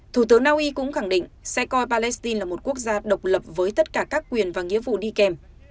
thủ tướng naui cũng khẳng định sẽ coi palestine là một quốc gia độc lập với tất cả các quyền và nghĩa vụ đi kèm